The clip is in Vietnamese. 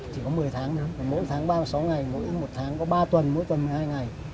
chỉ có một mươi tháng nữa mỗi tháng ba mươi sáu ngày mỗi một tháng có ba tuần mỗi tuần một mươi hai ngày